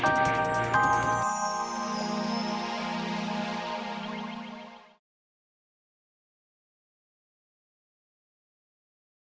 saya sudah tanya sama bapak